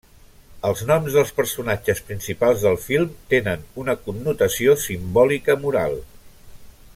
Els noms dels personatges principals del film tenen una connotació simbòlica moral.